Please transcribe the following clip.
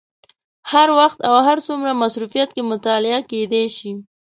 هر وخت او هر څومره مصروفیت کې مطالعه کېدای شي.